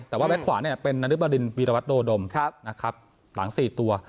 แต่ว่าแบ็คขวานี้เป็นนฤบริณบิรวัตโดดมนะครับหลัง๔ตัว